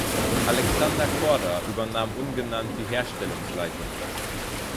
Alexander Korda übernahm ungenannt die Herstellungsleitung.